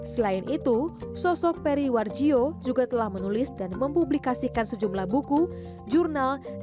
selain itu sosok peri warjio juga telah menulis dan mempublikasikan sejumlah buku jurnal